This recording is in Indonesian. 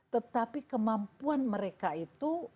tetapi kemampuan mereka itu